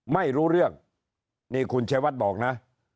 ไม่รู้เรื่องนี่คุณชัยวัดบอกนะ